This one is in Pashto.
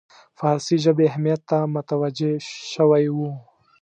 فارسي ژبې اهمیت ته متوجه شوی وو.